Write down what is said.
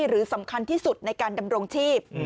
หรือสำคัญที่สุดในการดำรงชีพ